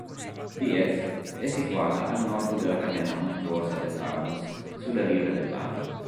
Diez è situata a nord della catena montuosa del Taunus, sulle rive del Lahn.